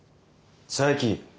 佐伯。